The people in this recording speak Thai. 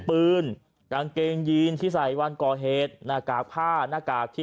ปืนกางเกงยีนที่ใส่วันก่อเหตุหน้ากากผ้าหน้ากากที่